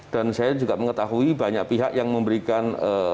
saya juga mengetahui banyak pihak yang memberikan